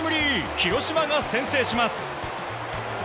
広島が先制します。